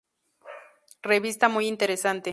Revista Muy Interesante.